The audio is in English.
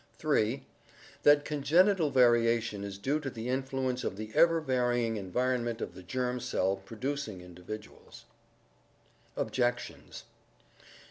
(3) "That congenital variation is due to the influence of the ever varying environment of the germ cell producing individuals." Objections.